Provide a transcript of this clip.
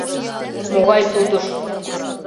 — Могай судыш?